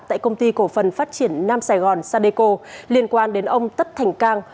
tại công ty cổ phần phát triển nam sài gòn sadeco liên quan đến ông tất thành cang